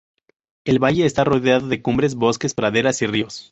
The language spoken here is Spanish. El valle está rodeado de cumbres, bosques, praderas y ríos.